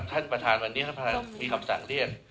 ท่านประธานวันนี้ท่านประธานมีคำสั่งเรียน